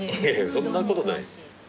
そんなことない。